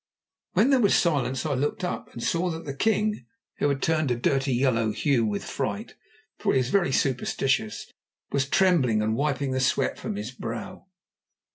When there was silence I looked up, and saw that the king, who had turned a dirty yellow hue with fright, for he was very superstitious, was trembling and wiping the sweat from his brow.